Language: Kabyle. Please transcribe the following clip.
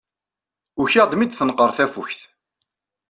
Ukiɣ-d mi d-tenqer tafukt.